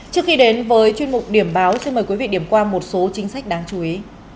trước khi đến với chuyên mục điểm báo xin mời quý vị điểm qua một số chính sách đáng chú ý